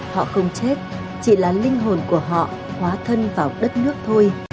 họ không chết chỉ là linh hồn của họ hóa thân vào đất nước thôi